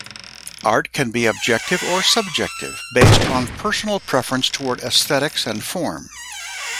Art can be objective or subjective based on personal preference toward aesthetics and form.